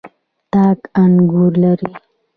تاک انګور لري.